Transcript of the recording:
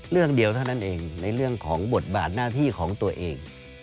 เรื่องเดียวเท่านั้นเองในเรื่องของบทบาทหน้าที่ของตัวเอง